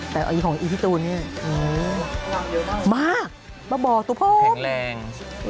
แต่ของอีทิตูนเนี่ยมากบับบ่าตุ้นพร้อมแข็งแรง